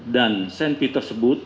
dan senpi tersebut